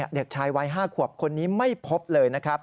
เด็กชายวัย๕ขวบคนนี้ไม่พบเลย